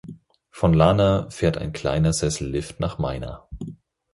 Von Lana fährt ein kleiner Sessellift nach Meina.